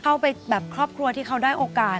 เข้าไปแบบครอบครัวที่เขาได้โอกาส